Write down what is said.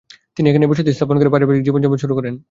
তিনি এখানেই বসতি স্থাপন করে পরিবারিক জীবন যাপন শুরু করেন।